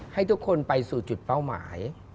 ให้ทุกคนไปสู่จุดเป้าหมาย